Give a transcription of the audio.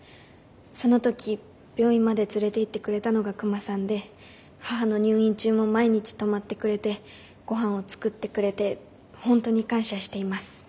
その時病院まで連れていってくれたのがクマさんで母の入院中も毎日泊まってくれてごはんを作ってくれて本当に感謝しています。